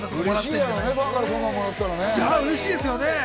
嬉しいですよね。